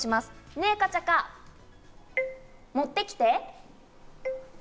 ねぇ、カチャカ、持ってきて！